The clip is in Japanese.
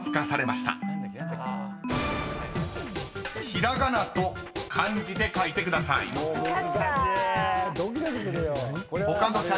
［ひらがなと漢字で書いてください］分かった！